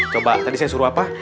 coba tadi saya suruh apa